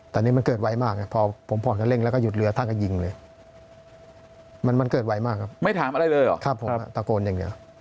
แต่นี่มันเกิดไวมากพอผมพอจะเร่งแล้วก็หยุดเรือท่านก็ยิงเลยมันเกิดไวมากครับไม่ถามอะไรเลยเหรอครับผมตะโกนอย่างเดียว